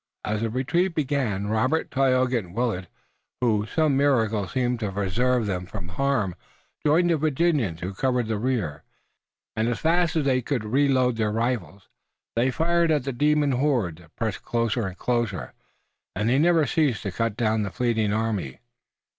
As the retreat began, Robert, Tayoga and Willet, whom some miracle seemed to preserve from harm, joined the Virginians who covered the rear, and, as fast as they could reload their rifles, they fired at the demon horde that pressed closer and closer, and that never ceased to cut down the fleeing army.